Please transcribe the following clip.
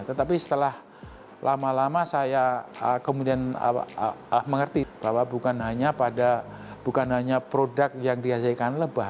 tetapi setelah lama lama saya kemudian mengerti bahwa bukan hanya produk yang dihasilkan lebah